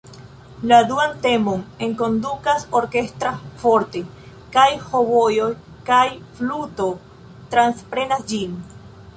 La duan temon enkondukas orkestra "forte", kaj hobojo kaj fluto transprenas ĝin.